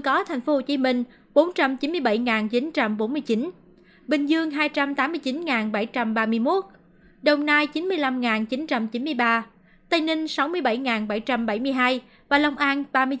có thành phố hồ chí minh bốn trăm chín mươi bảy chín trăm bốn mươi chín bình dương hai trăm tám mươi chín bảy trăm ba mươi một đồng nai chín mươi năm chín trăm chín mươi ba tây ninh sáu mươi bảy bảy trăm bảy mươi hai và lòng an ba mươi chín tám trăm chín mươi một